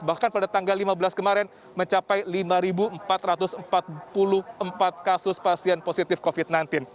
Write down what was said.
bahkan pada tanggal lima belas kemarin mencapai lima empat ratus empat puluh empat kasus pasien positif covid sembilan belas